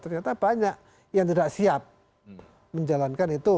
ternyata banyak yang tidak siap menjalankan itu